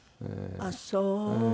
ああそう。